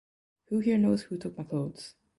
Who Here Knows Who Took My Clothes?